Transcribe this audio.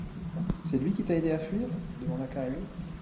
C'est lui qui t'a aidé à fuir ? demanda Carrier.